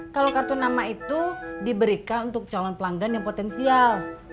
kalau kartu nama itu diberikan untuk calon pelanggan yang potensial